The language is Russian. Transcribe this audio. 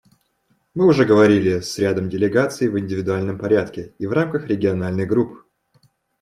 Мы уже говорили с рядом делегаций в индивидуальном порядке и в рамках региональных групп.